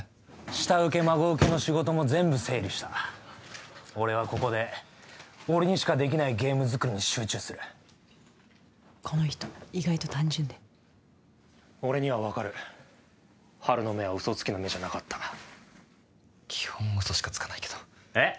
下請け孫請けの仕事も全部整理した俺はここで俺にしかできないゲーム作りに集中するこの人意外と単純で俺には分かるハルの目は嘘つきの目じゃなかった基本嘘しかつかないけどえっ？